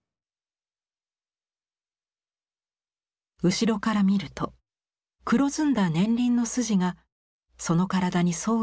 後ろから見ると黒ずんだ年輪の筋がその体に沿うように浮かび上がっています。